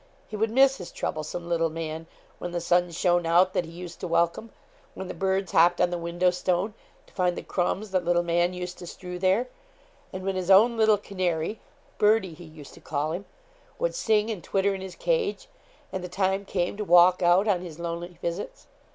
He would miss his troublesome little man, when the sun shone out that he used to welcome when the birds hopped on the window stone, to find the crumbs that little man used to strew there; and when his own little canary 'Birdie' he used to call him would sing and twitter in his cage and the time came to walk out on his lonely visits.